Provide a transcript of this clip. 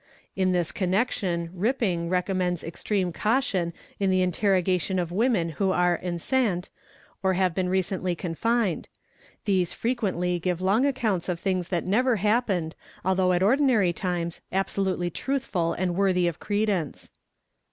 In this connection Ripping", recommends extreme caution in the interrogation of women who are enceinte, or have been recently confined ; these frequently give long accounts of things that never happened although at ordinary times absolutely truthful and worthy of credence.